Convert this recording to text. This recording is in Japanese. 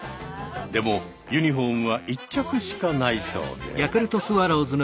でもユニフォームは１着しかないそうで。